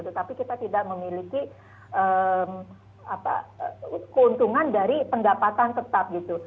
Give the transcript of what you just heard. tetapi kita tidak memiliki keuntungan dari pendapatan tetap gitu